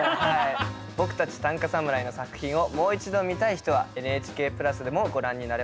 僕たち短歌侍の作品をもう一度見たい人はＮＨＫプラスでもご覧になれます。